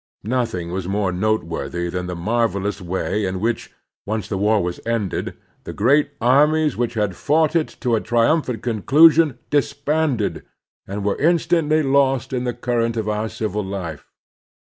Nothing was more note worthy than the marvelous way in which, once the war was ended, the great armies which had fought it to a triumphant conclusion disbanded, and were instantly lost in the current of otu: civil life.